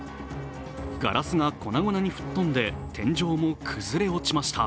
ガラスが粉々に吹き飛んで天井も崩れ落ちました